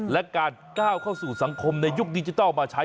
และการก้าวเข้าสู่สังคมในยุคดิจิทัลมาใช้